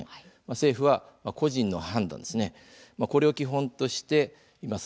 政府は「個人の判断」これを基本としています。